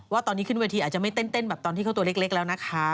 ว่าตอนนี้ขึ้นเวทีอาจจะไม่เต้นแบบตอนที่เขาตัวเล็กแล้วนะคะ